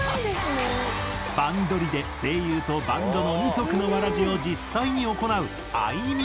『バンドリ！』で声優とバンドの二足のわらじを実際に行う愛美。